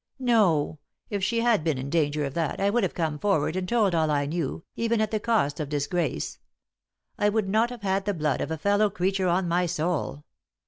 "No; if she had been in danger of that, I would have come forward and told all I knew, even at the cost of disgrace; I would not have had the blood of a fellow creature on my soul.